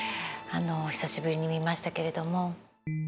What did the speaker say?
久しぶりに見ましたけれども。